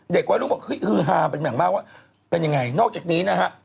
เด็กไว้รู้มันคือฮาเป็นแม่งมากว่าเป็นยังไงนอกจากนี้นะฮะ